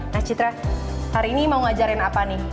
nah citra hari ini mau ngajarin apa nih